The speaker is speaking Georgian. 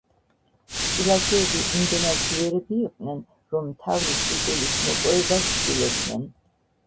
ჭილაძეები იმდენად ძლიერები იყვნენ, რომ მთავრის ტიტულის მოპოვება ცდილობდნენ.